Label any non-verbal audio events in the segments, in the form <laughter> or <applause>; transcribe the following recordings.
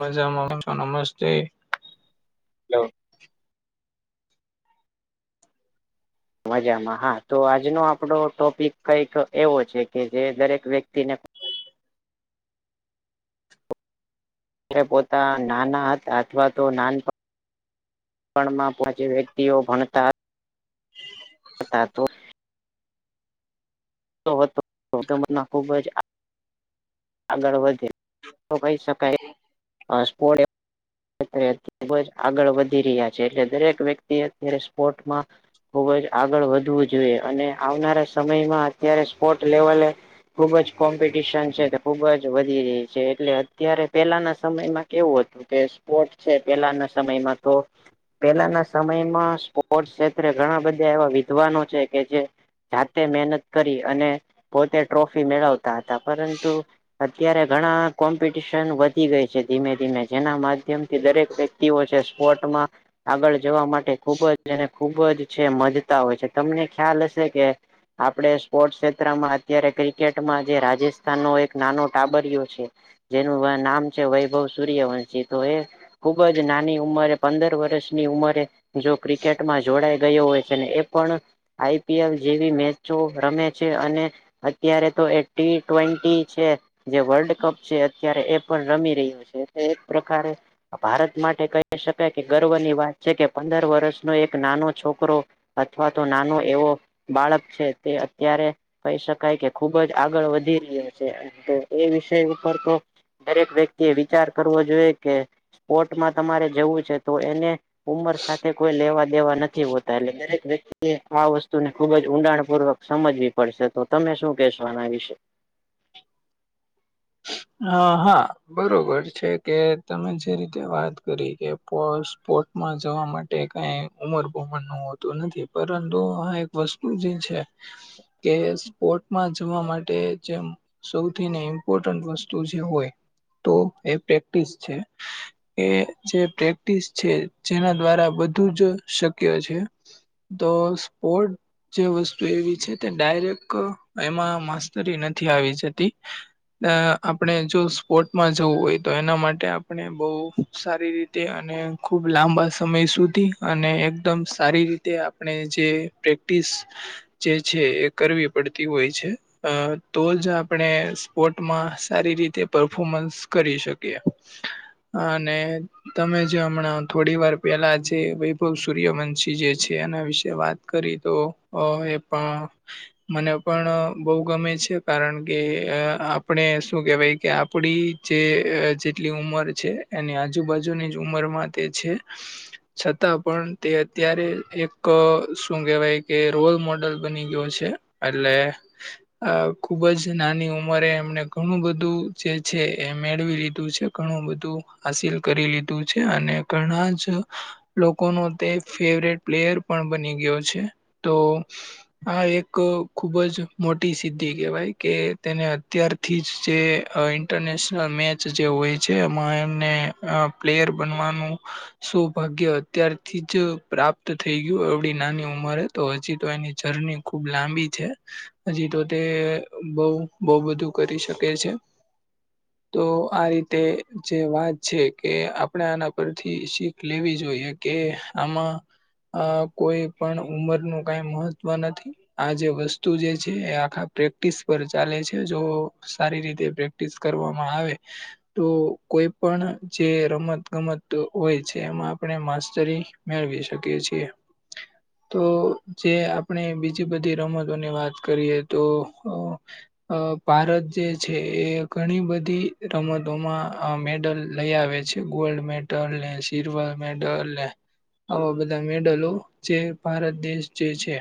મજામા કેમ છો નમસ્તે હલો મજામાં હા તો આજનો આપડો ટોપિક કઈક એવો છે કે જે દરેક વ્યક્તિને પોતા નાના હતા અથવા તો નાનપ માંચ વ્યક્તિઓ ભણતા <unintelligible> તા તો તો તેમનો ખુબ જ આગળ વધે કહી શકાય ખૂબ જ આગળ વધી રહ્યા છે એટલે દરેક વ્યક્તિ અત્યારે સ્પોર્ટમાં ખુબ જ આગળ વધવું જોઈએ અને આવનારા સમયમાં અત્યારે સ્પોર્ટ લેવલે ખુબ જ કોમ્પિટિશન છે તે ખુબ જ વધી રહી છે એટલે અત્યારે પેલાના સમયમાં કેવું હતું. તો કે સ્પોર્ટસ છે પેલાના સમયમાં તો પેલાના સમયમાં સ્પોર્ટ્સ ક્ષેત્રે ઘણા બધા એવા વિદ્વાનો છે કે જે જાતે મહેનત કરી અને પોતે ટ્રોફી મેળવતા હતા પરંતુ અત્યારે ઘણા કોમ્પિટિશન વધી ગઈ છે ધીમે ધીમે જેના. તેમથી દરેક વ્યક્તિઓ છે સ્પોર્ટમાં. આગળ જવા માટે ખૂબ જ અને ખૂબ જ છે મજતા હોય છે તમને ખ્યાલ હશે કે. આપણે સ્પોર્ટસ ક્ષેત્રમાં અત્યારે ક્રિકેટમાં જે રાજસ્થાન ન એક નાનો ટાબરયો છે. જેનું નામ છે વૈભવ સૂર્ય વંશિત તો એ ખુબ જ નાની ઉંમરે પંદર વર્ષની ઉંમરે. જો ક્રિકેટમાં જોડાઈ ગયો હોય છે ને એ પણ. આઈપીએલ જેવી મેચો રમે છે અને. અત્યારે તો એ ટી ટ્વેન્ટી છે. જે વર્લ્ડ કપ છે અત્યારે એ પણ રમી રહ્યો છે એક પ્રકારે. ભારત માટે કહી શકાય કે ગર્વની વાત છે કે પંદર વર્ષનો એક નાનો છોકરો. અથવા તો નાનો એવો. બાળક છે તે અત્યારે કહી શકાય કે ખુબ જ આગળ વધી રહ્યો છે. તો એ વિષય ઉપર તો દરેક વ્યક્તિ એ વિચાર કરવોએ. જો કે સ્પોર્ટમાં તમારે જવું છે તો એને ઉંમર. કોઈ લેવા દેવા નથી હોતા એટલે દરેક વ્યક્તિ એ આ વસ્તુને ખુબ જ ઊંડાણપૂર્વક. સમજવી પડશે તો તમે શું કેહેશો આના વિશે. હ હા બરોબર છે કે તમે જે રીતે વાત કરી કે. સ્પટમાં જવા માટે કઈ ઉમર બમર નું હોતું નથી પરંતુ આ. વસ્તુ જે છે. કે સ્પોર્ટમાં જવા માટે જેમ સૌથી ને ઇમ્પોર્ટન્ટ વસ્તુ. જે હોય તો એ પ્રેક્ટીસ છે. એ જે પ્રેક્ટિસ છે જેના દ્વારા બધું જ શક્ય છે. તો સ્પોર્ટ. જે વસ્તુ એવી છે તે ડાયરેક્ટ એમાં માસ્તરી નથી આવી જતી. અ આપણે જો સ્પોર્ટમાં જવું હોય તો એના માટે આપણે બહ સારી રીતે. તે અને ખૂબ લાંબા સમય સુધી અને એકદમ સારી રીતે આપણે જે પ્રેક. પીસ. જે છે એ કરવી પડતી હોય છે અ તો જ આપણે સ્પોર્ટમાં. સારી રીતે પરફોમન્સ કરી શકીએ અને. તમે જે હમણાં થોડી વાર પેલા જે વૈભવ સૂર્યવંશી જે છે એના વિશે વાત. કરી તો અ એ પણ. મને પણ બહ ગમે છે કારણ કે આપણે. શું કહેવાય કે આપડી જે જેટલી ઉંમર છે એની આજુબાજુની જ ઉંમરમાં. તે છે છતાં પણ તે અત્યારે એક શું કેહેવાય કે રોલ મોડલ. બની ગયો છે એટલે ખુબ જ નાની ઉંમરે એમને. ઘણું બધું જે છે એ મેળવી લીધું છે ઘણું બધું હાસિલ કરી લીધું છે અને. ઘણા જ લોકોનો તે ફેવરેટ પ્લેયર પણ બની ગયો છે. તો. હા એક ખુબ જ મોટી સિદ્ધિ કહેવાય કે તેને અત્યાર. થી જ જે ઇન્ટરનેશનલ મેચ જે હોય છે એમાં એમને. પ્લેયર બનવાનું. સૌભાગ્ય અત્યારથી જ પ્રાપ્ત થઈ ગયું એવડી નાની ઉંમરે. તો હજી તો એની જર્ની ખુબ લાંબી છે હજી તો તે બહ બહ બધું. કરી શકે છે. તો આ રીતે જે વાત છે કે આપણે આના પરથી શીખ. લેવી જોઈએ કે આમાં. આ કોઈ પણ ઉંમર નું કઈ મહત્વ નથી. આ જે વસ્તુ જે છે એ આખા પ્રેક્ટિસ પર ચાલે છે જો. સારી રીતે પ્રેક્ટિસ કરવામાં આવે તો કોઈ પણ જે રમત ગમત હોય છે એમાં આપણે માસ્તરી મેળવી શકીએ છીએ. તો જે આપણે બીજી બધી રમતોની વાત કરીએ તો અ અ ભારત જે છે એ ઘણી બધી રમતોમાં મેડલ લઈ આવે છે gold medal silver medal ને આવા બધા મેડલો જે ભારત દેશ જે છે.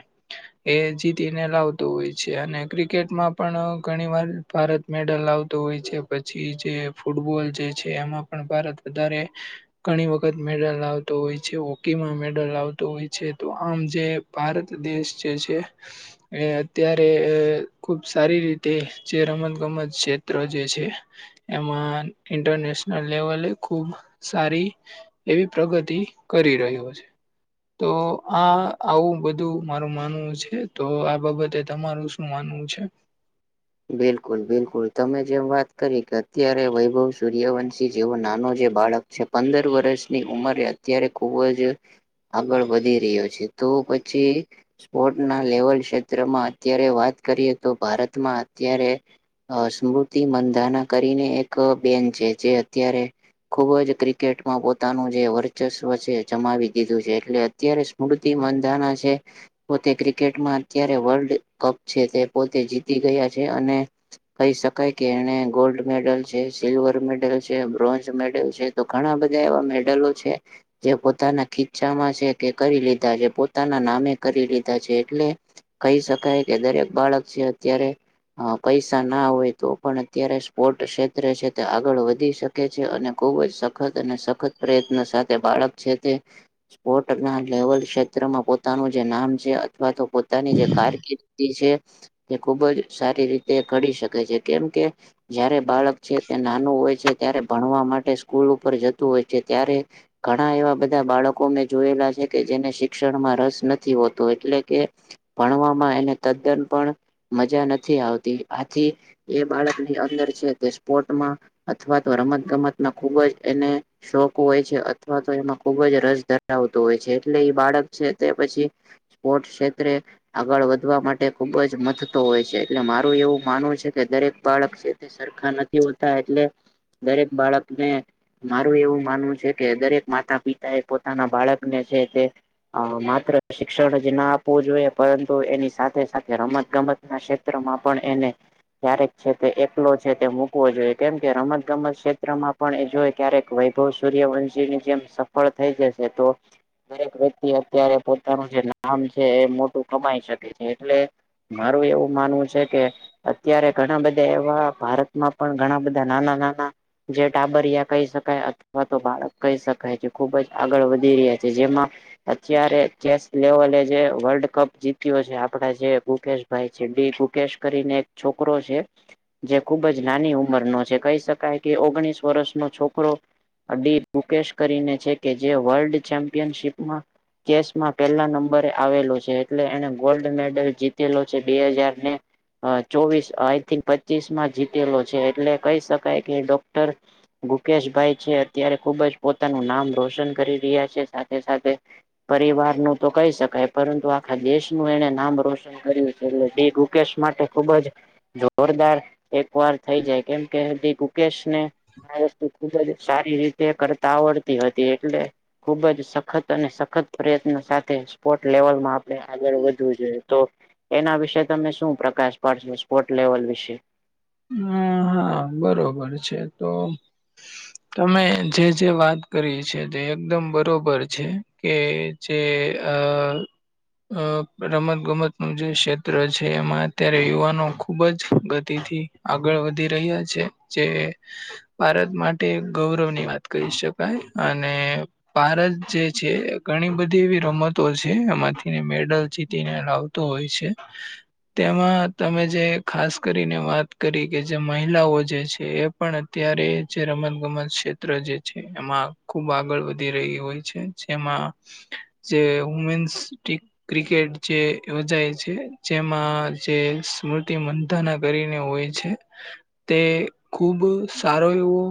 એ જીતીને લાવતું હોય છે અને ક્રિકેટમાં પણ ઘણી વાર ભારત મેડલ લાવતુ હોય છે પછી જે ફૂટબોલ જે છે એમાં પણ ભારત વધારે ઘણી વખત મેડલ લાવતુ હોય છે હોકીમાં મેડલ લાવતુ હોય છે તો આમ જે ભારત દેશ જે છે એ અત્યારે ખુબ સારી રીતે જે રમત ગમત ક્ષેત્ર જે છે. એમાં ઇન્ટરનેશનલ લેવલે ખુબ સારી એવી પ્રગતિ કરી રહ્યો છે. તો આ આવું બધું મારું માનવું છે તો આ બાબતે તમારું માનવું છે. બિલકુલ બિલકુલ તમે જેમ વાત કરી કે અત્યારે વૈભવ સૂર્યવંશી જેવો નાનો જે બાળક છે પંદર વર્ષની ઉંમરે અત્યારે ખુબ જ આગળ વધી રહ્યો છે તો પછી સ્પોર્ટ ના લેવલ ક્ષેત્રમાં અત્યારે વાત કરીએ તો ભારતમાં અત્યારે અ સ્મૃતિ મંધાના કરીને એક બેન છે જે અત્યારે ખુબ જ ક્રિકેટમાં પોતાનું જે વર્ચસ્વ છે જમાવી દીધું છે એટલે અત્યારે મૂતિ મંધાના છે પોતે ક્રિકેટમાં અત્યારે વર્લ્ડ કપ છે તે પોતે જીતી ગયા છે અને કહી શકાય કે એને ગોલ્ડ મેડલ છે, સિલ્વર મેડલ છે, બ્રોન્જ મેડલ છે. તો ઘણા બધા એવા મેડલો છે. જે પોતાના ખીચામાં છે કે કરી લીધા છે પોતાના નામે કરી લીધા છે એટલે કહી શકાય કે દરેક બાળક છે અત્યારે અ પૈસા ના હોય તો પણ અત્યારે સ્પોર્ટ ક્ષેત્રે છે તે આગળ વધી શકે છે અને ખુબ સખત અને સખત પ્રયત્ન સાથે બાળક છે તે સ્પોર્ટ ના લેવલ ક્ષેત્રમાં પોતાનું જે નામ છે અથવા તો પો પોતાની જે કારકિર્દી છે તે ખુબ જ સારી રીતે ઘડી શકે છે કેમ કે જયારે બાળક છે તે નાનું હોય છે ત્યારે ભણવા માટે સ્કૂલ ઉપર જતું હોય છે ત્યારે ઘણા એવા બધા બાળકો મેં જોયેલા છે કે જેને શિક્ષણમાં રસ નથી હોતો એટલે કે ભણવામાં એને તદ્દન પણ મજા નથી આવતી આથી એ બાળક ની અંદર છે તે સ્પોર્ટમાં અથવા તો રમત ગમતમાં ખુબ જ એને શોખ હોય છે અથવા તો એમાં ખુબ જ રસ ધરાવતો હોય છે એટલે એ બાળક છે તે પછી સ્પોર્ટ ક્ષેત્રે આગળ વધવા માટે ખુબ જ મથતો હોય છે. એટલે મારું એવું માનવું છે કે દરેક બાળક છે તે સરખા નથી હોતા એટલે દરેક બાળકને મારું એવું માનવું છે કે દરેક માતા પિતા એ પોતાના બાળકને જે તે અ માત્ર શિક્ષણ જ ના આપવું જોઈએ પરંતુ એની સાથે સાથે રમત ગમત ના માં પણ એને ક્યારેક છે તે એકલો છે તે મૂકવો જોઈએ કેમ કે રમત ગમત ક્ષેત્રમાં પણ એ જો ક્યારેક વૈભવ સૂર્યવંશની જેમ સફળ થઈ જશે તો દરેક વ્યક્તિ અત્યારે પોતાનું જે નામ છે એ મોટું કમાઈ શકે છે એટલે મારું એવું માનવું છે કે અત્યારે ઘણા બધા એવા ભારતમાં પણ ઘણા બધા નાના નાના જે ટાબરિયા કહી શકાય અથવા તો બાળક કહી શકાય છે ખુબ જ આગળ વધી રહ્યા છે જેમાં અત્યારે ચેસ લેવલે જે વર્લ્ડ કપ જીત્યો છે આપડા જે મુકેશભાઈ જેડી કુકેશ કરીને એક છોકરો છે. જે ખુબ જ નાની ઉંમરનો છે કહી શકાય કે ઓગણીસ વર્ષનો છોકરો ડી ગુકેશ કરીને છે કે જે વર્લ્ડ ચેમ્પિયનશીપમાં કેસમાં પેલા નંબરે આવેલો છે એટલે એને ગોલ્ડ મેડલ જીતેલો છે બે હજાર ને ચોવીસ આઈથીક પચીસ માં જીતેલો છે એટલે કહી શકાય કે ડોક્ટર ગુકેશભાઈ છે અત્યારે ખુબ જ પોતાનું નામ રોશન કરી રહ્યા છે સાથે પરિવાર નું તો કહી શકાય પરંતુ આખા દેશનું એને નામ રોશન કર્યું. એટલે ડી રુકેશ માટે ખુબ જ જોરદાર એક વાર થઈ જાય કેમ કે ડી ગુકેશ ને આ વસ્તુ ખુબ જ સારી રીતે કરતા આવડતી હતી એટલે ખુબ જ સખત અને સખત પ્રયત્ન સાથે સ્પોર્ટ લેવલમાં આપણે આગળ વધવું જોઈએ તો એના વિશે તમે શું પ્રકાશ પાડશો સ્પોર્ટ લેવલ વિશે? હમ હા બરોબર છે તો તમે જે જે વાત કરી છે તે એકદમ બરોબર છે કે જે અ અ રમતગમતનું જે ક્ષેત્ર છે એમાં અત્યારે યુવાનો ખૂબ જ ગતિથી આગળ વધી રહ્યા છે જે ભારત માટે ગૌરવ ની વાત કરીહી શકાય અને ભારત જે છે ઘણી બધી એવી રમતો છે એમાંથી મેડલ જીતીને લાવ હોય છે તેમાં તમે જે ખાસ કરીને વાત કરી કે જે મહિલાઓ જે છે એ પણ અત્યારે જે રમત ગમત ક્ષેત્ર જે છે એમાં ખૂબ આગળ વધી રહી હોય છે જેમાં જે વુમેન્સ ક્રિકેટ જે યોજાય છે જેમાં જે સ્મૃતિ મંદના કરીને હોય છે તે ખુબ સારો એવો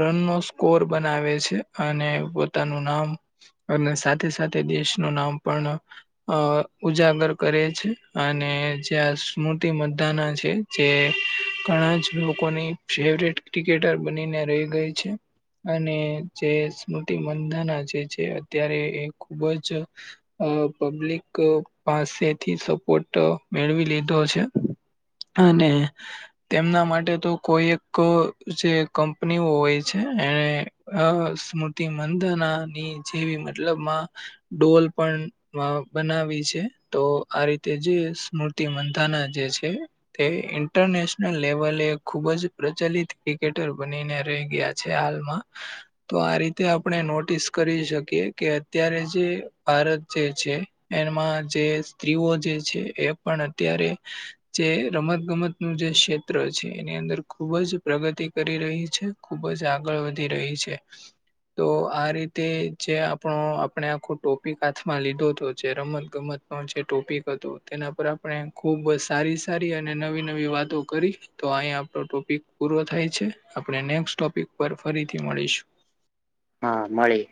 રન નો સ્કોર બનાવે છે અને પોતાનું નામ અને સાથે સાથે દેશનું નામ પણ અ ઉજાગર કરે છે અને જે સ્મૃતિ મધાના છે જે ઘણા જ લોકોની ફેવરેટ ક્રિકેટર બનીને રહી ગઈ છે અને જે સ્મૃતિ મંદના જે છે અત્યારે એ ખુબ જ અ પબ્લિક પાસેથી સપોર્ટ મેળવી લીધો છે. અને તેમના માટે તો કોઈ એક જે કંપનીઓ હોય છે એને અ સ્મૃતિ મંદનાની જેવી મતલબમાં ડોલ પણ બનાવી છે તો આ રીતે જે સ્મૃર્તિ મંધાના જે છે તે ઈન ઇન્ટરનેશનલ લેવલ ખુબ જ પ્રચલિત ક્રિકેટર બનીને રહી ગયા છે હાલમાં તો આ રીતે આપણે નોટિસ કરી શકીએ કે અત્યારે જે ભારત જે છે. એમાં જે સ્ત્રીઓ જે છે એ પણ અત્યારે જે રમત ગમત નું જે ક્ષેત્ર છે એની અંદર ખુબ જ પ્રગતિ કરી રહી છે ખુબ જ આગળ વધ રહી છે તો આ રીતે જે આપણો આપણે આખો ટોપિક હાથમાં લીધો હતો જે રમત ગમત જે ટોપિક હતો તેના પર આપણે ખુબ સારી સારી અને નવી નવી વાતો કરી તો અહીંયા આપો ટોપિક પૂરો થાય છે આપણે નેક્ ટોપિક પર ફરીથી મળીશું હા મળી